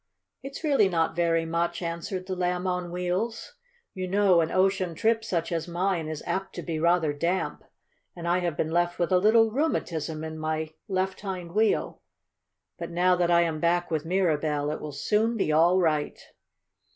"It's really not very much," answered the Lamb on Wheels. "You know an ocean trip such as mine is apt to be rather damp, and I have been left with a little rheumatism in my left hind wheel. But now that I am back with Mirabell it will soon be all right."